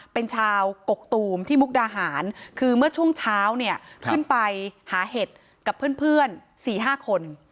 เป็นชาวกกตูมที่มุกดาหารคือเมื่อช่วงเช้าเนี่ยขึ้นไปหาเห็ดกับเพื่อน๔๕คน